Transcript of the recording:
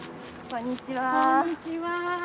こんにちは。